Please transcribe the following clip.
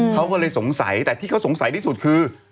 เขาก็เลยสงสัยแต่ที่เขาสงสัยที่สุดคือ